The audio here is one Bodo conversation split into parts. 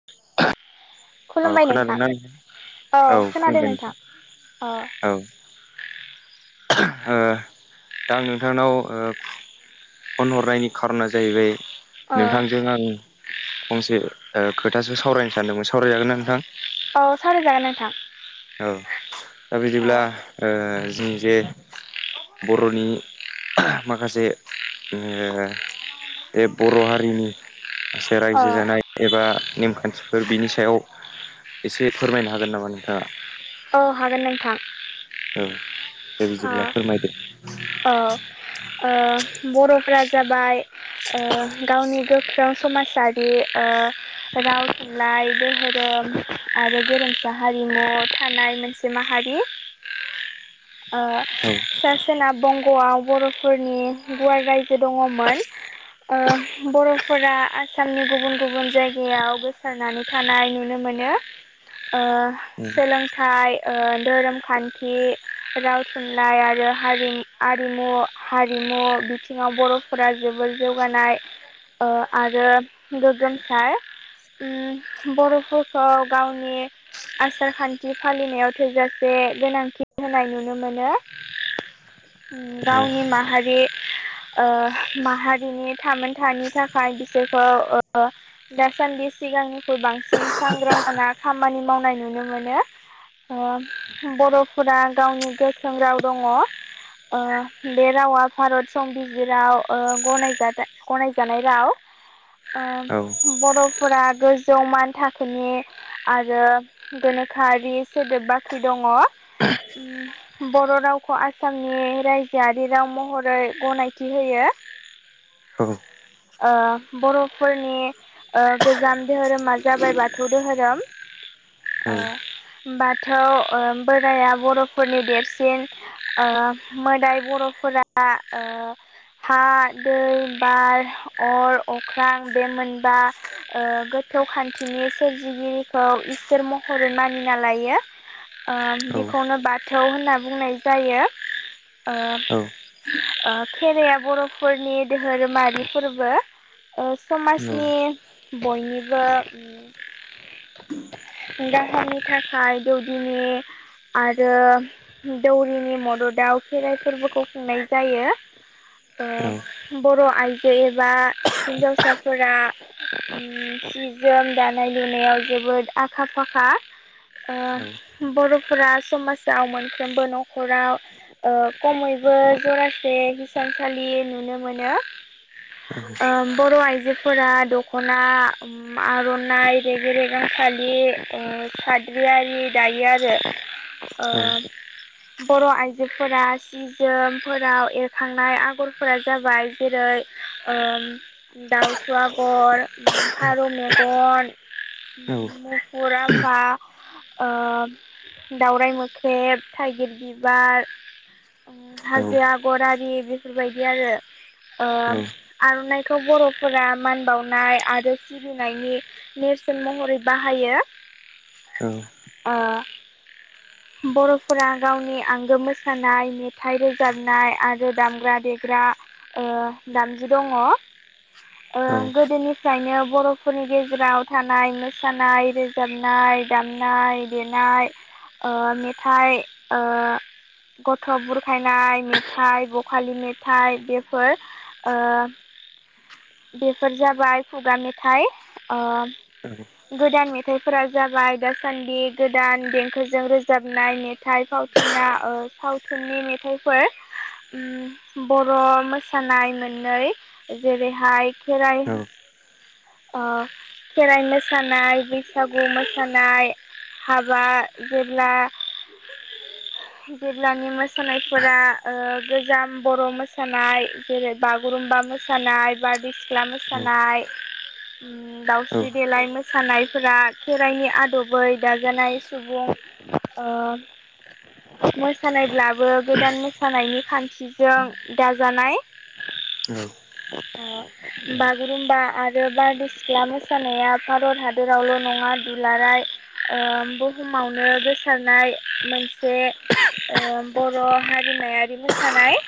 [unintelligible] औ खोनादोंना नोंथां? औ खुलुमबाय नोंथां। औ दा आं नोंथांनाव ओ फन हरनायनि खार'ना जाहैबाय औ नोंथांजों आं फंसे ओ खोथासो सावरायनो सानदोंमोन सावरायजागोन ना नोंथां? औ सावरायजागोन नोंथां। औ दा बिदिब्ला औ ओ जोंनि जे बर'नि माखासे ओ ए बर' हारिनि सासे औ रायजो जानाय एबा नेमखान्थिफोर बिनि सायाव एसे फोरमायनो हागोन नामा नोंथांङा? औ हागोन नोंथां। औ दे औ बिदिब्ला फोरमायदो औ ओ बर'फ्रा जाबाय ओ गावनि गोख्रों समाजारि ओ राव थुनलाइ दोहोरोम आरो गेरेमसा हारिमुआव थानाय मोनसे माहारि। ओ औ से सोनाब बंग'आव बर'फोरनि गुवार रायजो दंङमोन। ओ बर'फोरा आसामनि गुबुन गुबुन जायगायाव गोसारनानै थानाय नुनो मोनो। ओ सोलोंथाइ ओ धोरोम खान्थि राव थुनलाइ आरो हारिमु आरिमु हारिमु बिथिंङाव बर' फोरा जोबोर जौगानाय ओ आरो गोगोम सार उम बर'फोरखौ गावनि आसार खान्थि फालिनायाव थोजासे गोनांथि होनाय नुनो मोनो उम गावनि माहारि ओ माहारिनि थामोनथानि थाखाय बिसोरखौ ओ दासान्दि सिगांनिख्रुइ बांसिन सांग्रां जाना खामानि मावनाय नुनो मोनो। ओ बर'फोरा गावनि गोख्रों राव दंङ। ओ बे रावा भारत संबिजिराव ओ गनायजादा गनायजानाय राव। औ ओ बर'फोरा गोजौ मान थाखोनि आरो गोनोखोयारि सोदोब बाख्रि दंङ। बर' रावखौ आसामनि रायजोआरि राव महरै गनायथि होयो। औ ओ बर'फोरनि ओ गोजाम धोरोमा जाबाय बाथौ धोरोम। औ ओ बाथौ ओ बोराया बरफोरनि देरसिन ओ मोदाय बर'फोरा ओ हा दै बार अर अख्रां बे मोनबा ओ गोथौ खान्थिनि सोरजिगिरिखौ इसोर महरै मानिना लायो। ओ औ बिखौनो बाथौ होनना बुंनाय जायो ओ औ ओ खेराइाया बर'फोरनि धोरोमारि फोरबो। ओ समाजनि बयनिबो [inaudible] गाहायनि थाखाय दौदिनि आरो दौरिनि मद'दाव खेराइ फोरबोखौ खुंनाय जायो। ओ बर' आइजो एबा हिन्जावसाफोरा ओ सि जोम दानाय लुनायाव जोबोद आखा फाखा। ओ बर'फोरा समाजाव मोनफ्रोमबो नखराव ओ खमैबो जरासे हिसानसालि नुनो मोनो। औ ओ बर' आइजोफोरा दख'ना ओम आरनाइ रेगे रेगां फालि ओ सादबियारि दायो। बि आरो औ ओ बर' आइजोफोरा सि जोमफोराव एरखांनाय आगरफोरा जाबाय जेरै ओ दाउथु आगर फारौ मेगन औ मुफुर आफा ओ दावराइ मोख्रेब थाइगिर बिबार ओ औ हाजो आ गरानि बेफोरबायदि आरो ओ औ आरनाइखौ बर'फोरा मान बावनाय आरो सिबिनायनि नेरसोन महरै बाहायो। ओ बर'फोरा गावनि आंगो मोसानाय मेथाइ रोजाबनाय आरो दामग्रा देग्रा ओ दामजु दङ। औ ओं गोदोनिफ्रायनो बर'फोरनि गेजेराव थानाय मोसानाय रो दामनाय दामनाय देनाय ओ मेथाइ ओ गथ' बुरखायनाय मेथाइ बखालि मेथाइ बेफोर ओ बेफोर जाबाय खुगा मेथाइ ओ गोदान मेथाइफोरा जाबाय दासान्दि गोदान देंखोजों रोजाबनाय मेथाइ फावथिना ओ सावथुननि मेथाइफोर बर' मोसानाय मोननै जेरैहाय खेराइ ओ खेराइ मोसानाय बैसागु मोसानाय हाबा जेब्ला ए [unintelligible] जेब्लानि मोसानायफोरा ओ गोजाम बर' मोसानाय जेरै बागुरुम्बा मोसानाय बारदै सिख्ला मोसानाय ओम औ ओ दावस्रि देलाय मोसानायफोरा खेराइनि आदबै दाजानाय सुबुं ओ मोसानायब्लाबो गोदान मोसानायनि खान्थिजों दाजानाय [inaudible] अ बागरुम बा आरो बारदै सिख्ला मोसानाया भारत हादरावल' नङा दुलाराय ओ बुहुमावनो गोसारनाय मोनसे ओ बर' हारिमायारि मोसानाय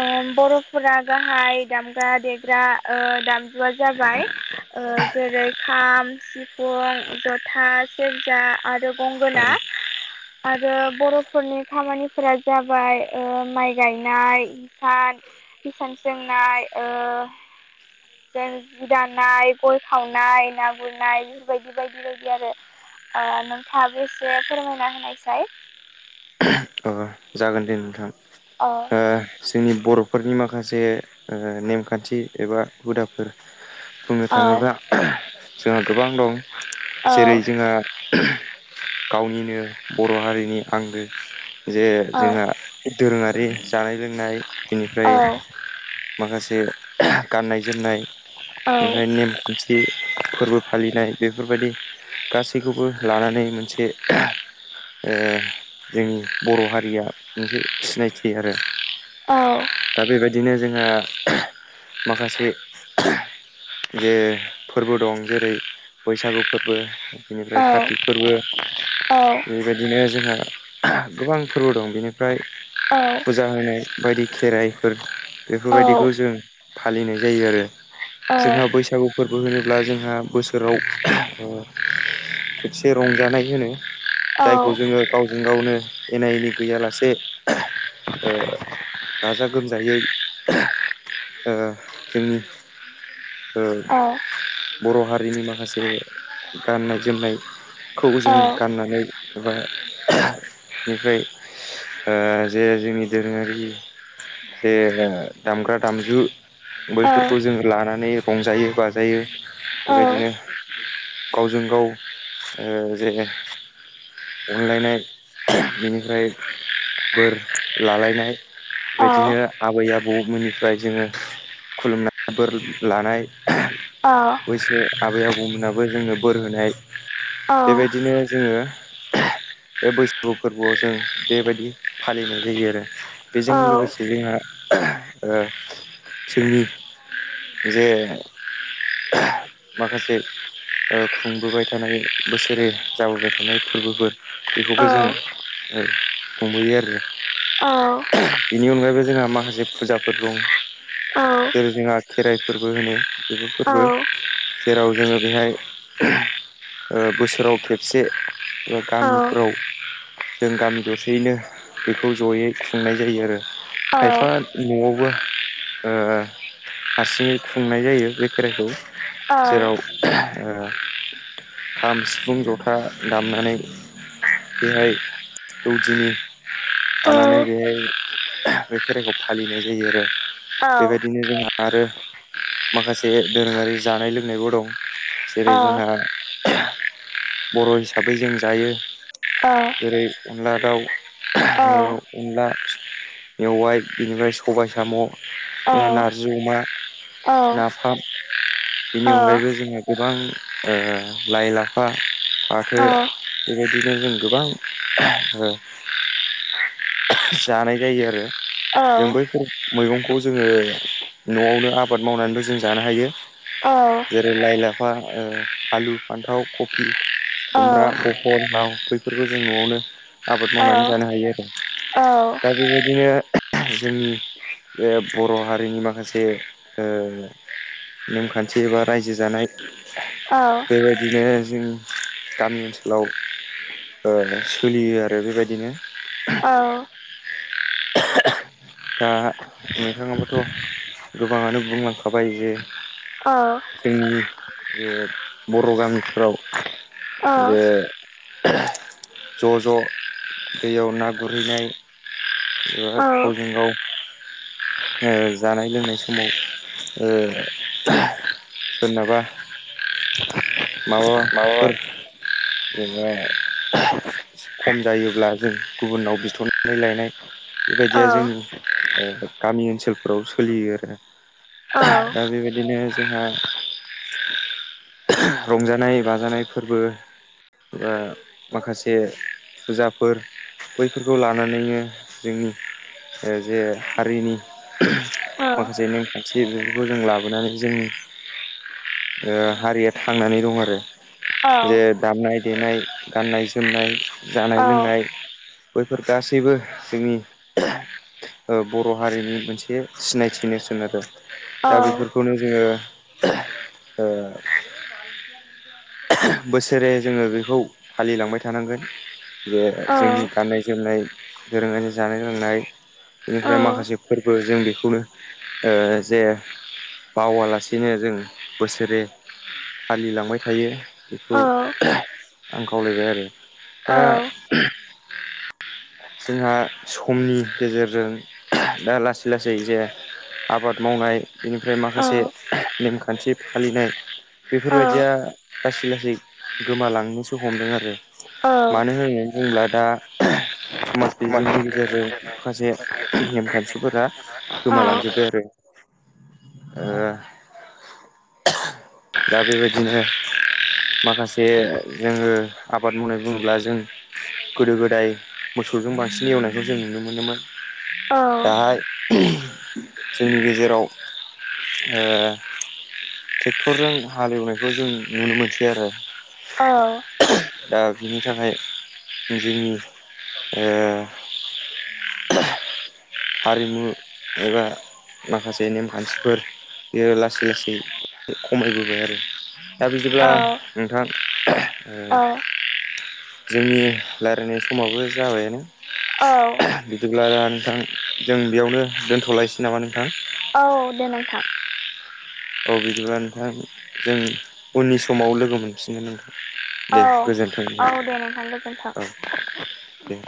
ओ बर'फोरा गाहाय दामग्रा देग्रा ओ दाम जुआ जाबाय ओ जेरै खाम सिफुं जथा सेरजा आरो गंगोना आरो बर'फोरनि खामानिफोरा जाबाय माइ गायनाय हिसान हिसान सोंनाय ओ जों जि दानाय गय सावनाय ना गुरनाय बेफोरबायदि बायदि बायदि आरो नोंथाङाबो एसे फोरमायना होनायसाय अ जागोन दे नोंथां अ जोंनि बर'फोरनि माखासे नेमखान्थि एबा हुदाफोर बुंनो औ थाङोब्ला जोंहा गोबां दं औ जेरै जोंहा गावनिनो बर' हारिनि आंगो [inaudible] जे जोंहा दोरोङारि जानाय लोंनाय औ बेनिफ्राय माखासे गाननाय जोमनाय औ बेनिफ्राय नेम मोनसे फोरबो फालिनाय बेफोरबायदि गासैखौबो लानानै मोनसे जोंनि बर' हारिया मोनसे सिनायथि आरो औ दा बेबायदिनो जोंहा माखासे जे फोरबो दं जेरै बैसागु फोरबो औ बेनिफ्राय कार्तिक फोरबो औ बेबायदिनो जोंहा गोबां फोरबो दं बेनिफ्राय औ फुजा होनाय बायदि खेराइफोर बेफोरबायदिखौ जों फालिनाय जायो आरो जोंहा बैसागु फोरबो होनोब्ला जोंहा बोसोराव खेबसे रंजानाय होनो जायखौ जोङो गावजों गावनो एना एनि गैयालासे गाजा गोमजायै जोंनि औ बर' हारिनि माखासे गाननाय जोमनायखौ जोङो गाननानै एबा बेनिफ्राय जे जोंनि दोरोङारि जे दामग्रा दामजु बैफोरखौ जोङ लानानै रंजायो बाजायो अ बेबायदिनो गावजों गाव जे अनलायनाय बेनिफ्राय बोर लालायनाय बेदिनो आबै आबौमोननिफ्राय जोङो खुलुमनाय ब लानाय बैसो आबै आबौमोनाबो जोंनो बोर होनाय बेबायदिनो जोङो बे बैसागु फोरबोआव जों बेबायदि फालिनाय जायो आरो बेजों लोगोसे जोंहा जोंनि जे माखासे खुंबोबाय थानाय बोसोरै जाबोबाय थानाय फोरबोफोर बेखौबो जों खुंबोयो आरो औ बेनि अनगायैबो जोंहा माखासे फुजाफोर दं औ जेरै जोंहा खेराइ फोरबो होनो बेबो फोरबो जेराव जोङो बेहाय बोसोराव खेबसे गामिफोराव जों गामि दसेयैनो बेखौ जयै खुंनाय जायो आरो खायफा न'आवबो हारसिङै खुंनाय जायो बे खेराइखौ जेराव खाम सिफुं जथा दामनानै बेहाय दौदिनि लानानै बेहाय बे खेराइखौ फालिनाय जायो आरो। बे बायदिनो जोंहा आरो माखासे दोरोङारि जानाय लोंनायबो दं। जेरै- जोंहा बर' हिसाबै जों जायो जेरै अनला दाउ अनला मेवाइ, बिनिफ्राय सबाय साम', नारजि अमा, नाफाम, बेनि अनगायैबो जोङो गोबां लाइ, लाफा, फाथो, बे बायदिनो जों गोबां [unintelligible] जानाय जायो आरो। जों बैफोर मैगंखौ जोङो न'आवनो आबाद मावनानैबो जों जानो हायो। जेरै- लाइ, लाफा, आलु, फान्थाव, कफि, खुमब्रा, फथल, लाव बैफोरखौ जों न'आवनो आबाद मावनानै जानो हायो आरो। दा बे बायदिनो जोंनि बर' हारिनि माखासे ओ नेमखान्थि एबा रायजो जानाय औ। बे बायदिनो जों गामि ओनसोलाव ओ सोलियो आरो बे बायदिनो औ। दा नोंथाङाबाथ' गोबाङानो बुंलांखाबाय जे अ। जोंनि बे बर' गामिफोराव जे ज' ज' दैयाव ना गुरहैनाय गावजों गाव ओ जानाय लोंनाय समाव ओ सोरनाबा माबाफोर ओ जेनेबा खम जायोब्ला जों गुबुनाव बिथ'नाय लायनाय। बे बायदिया जोंनि गामि ओनसोलफोराव सोलियो आरो। दा बे बायदिनो जोंहा रंजानाय बाजानाय फोरबो बा माखासे फुजाफोर बैफोरखौ लानानैनो जोंनि जे हारिनि माखासे नेमखान्थि बेफोरखौ जों लाबोनानै जोंनि [unintelligible] हारिया थांनानै दं आरो। जे दामनाय-देनाय, गाननाय-जोमनाय, जानाय-लोंनाय, बैफोर गासैबो जोंनि ओ बर' हारिनि मोनसे सिनायथि नेरसोन आरो दा बेफोरखौनो जोङो ओ बोसोरे जोङो बेखौ फालिलांबाय थानांगोन। जे जोंनि गाननाय-जोमनाय दोरोङारि जानाय-लोंनाय, बेनिफ्राय माखासे फोरबो जों बेखौनो जे बावालासेनो जों बोसोरै फालिलांबाय थायो। थायो। बेखौ आं खावलायबाय आरो दा जोंहा समनि गेजेरजों दा लासै लासै जे आबाद मावनाय बेनिफ्राय माखासे नेमखान्थि फालिनाय बेफोरबायदिया लासै लासै गोमालांनोसो हमदों आरो। मानो होननानै बुंङोब्ला दा समाज बिजोंनि गेजेरजों माखासे नेमखान्थिफोरा गोमालांजोब्बाय आरो ओ दा बेबायदिनो माखासे जोंङो आबाद मावनाय बुंङोब्ला जों गोदो गोदाय मोसौजों बांसिन एवनायखौ जों नुनो मोनोमोन। दा जोंनि गेजेराव ओ [unintelligible] ट्रेक्टरजों हालेवनायखौ जों नुनो मोनसै आरो। दा बिनि थाखाय जोंनि ओ हारिमु एबा माखासे नेमखान्थिफोर बियो लासै लासै एसे खमायबोबाय आरो दा औ बिदिब्ला नोंथां औ जोंनि रायज्लायनाय समाबो जाबायानो औ बिदिब्ला नोंथां जों बेयावनो दोनथ'लायसै नामा नोंथां? औ दे नोंथां औ बिदिब्ला नोंथां जों उननि समाव लोगो मोनफिनगोन नोंथां। औ दे गोजोन्थों दा औ दे नोंथां गोजोन्थों औ दे।